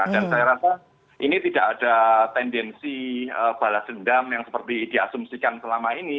dan saya rasa ini tidak ada tendensi balas dendam yang seperti diasumsikan selama ini